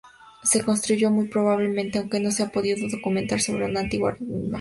Se construyó muy probablemente, aunque no se ha podido documentar, sobre una antigua ermita.